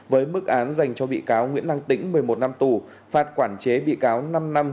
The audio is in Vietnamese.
với mức án dành cho bị cáo nguyễn lăng tĩnh một mươi một năm tù phạt quản chế bị cáo năm năm